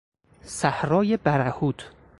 صحرای برهوت